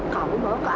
kamu bawa ke ayah